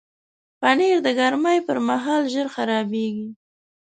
پنېر د ګرمۍ پر مهال ژر خرابیږي.